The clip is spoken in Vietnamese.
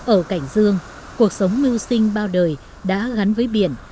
ở cảnh dương cuộc sống mưu sinh bao đời đã gắn với biển